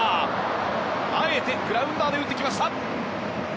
あえてグラウンダーで打ってきました。